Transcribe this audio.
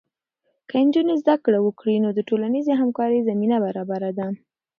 که نجونې زده کړه وکړي، نو د ټولنیزې همکارۍ زمینه برابره ده.